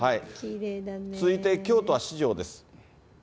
続いて京都は四条です。